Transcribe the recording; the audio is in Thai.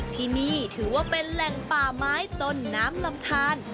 ที่นี่ถือว่าเป็นแหล่งป่าไม้ต้นน้ำลำทาน